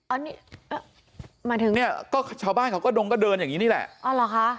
อันนี้หมายถึงเนี่ยก็ชาวบ้านเขาก็ดงก็เดินอย่างนี้นี่แหละอ๋อเหรอคะ